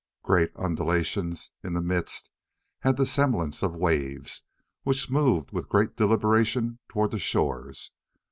Great undulations in the mist had the semblance of waves, which moved with great deliberation toward the shores.